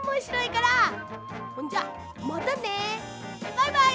バイバイ！